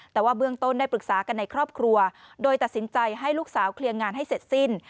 แต่ว่าเบื้องต้นได้ปรึกษากันในครอบครัวโดยตัดสินใจให้ลูกสาวเคลียร์งานให้เสร็จสิ้น